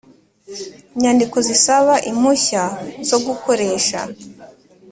Nyandiko zisaba impushya zo gukoresha